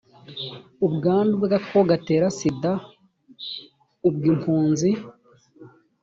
ubwandu bw agakoko gatera sida ubw impunzi